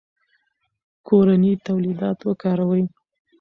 کورني تولیدات وکاروئ.